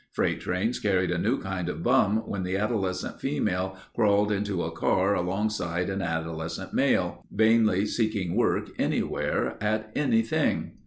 Freight trains carried a new kind of bum when the adolescent female crawled into a car alongside an adolescent male, vainly seeking work anywhere at anything.